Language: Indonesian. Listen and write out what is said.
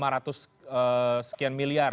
lima ratus sekian miliar